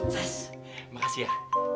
uh sukses makasih ya